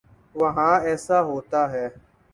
وہاں ایسا ہوتا ہے۔